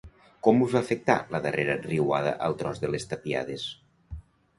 Com us va afectar la darrera riuada al tros de les Tapiades?